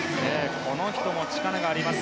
この人も力があります。